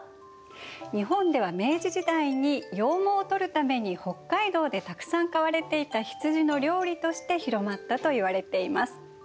日本では明治時代に羊毛を取るために北海道でたくさん飼われていた羊の料理として広まったといわれています。